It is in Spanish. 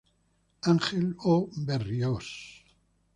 Ángel O. Berríos.